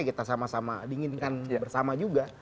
ya kita sama sama diinginkan bersama juga